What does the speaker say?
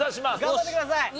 頑張ってください！